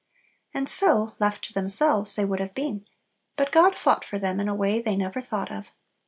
And so, left to themselves, they would have been; but God fought for them in a way they never thought of.